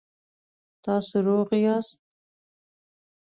تاسو روغ یاست؟